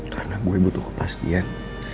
karena gue butuh kepastian